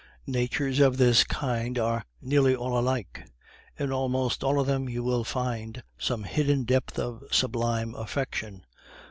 Natures of this kind are nearly all alike; in almost all of them you will find some hidden depth of sublime affection.